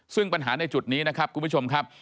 ซึ่งปัญหาในจุดนี้นะครับคุณผู้ชมครับ